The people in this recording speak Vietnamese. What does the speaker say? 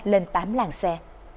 lên tám làng xe